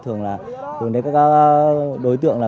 thường là đối tượng là